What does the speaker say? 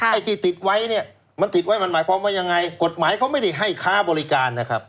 ไอ้ที่ติดไว้เนี่ยมันติดไว้มันหมายความว่ายังไงกฎหมายเขาไม่ได้ให้ค้าบริการนะครับ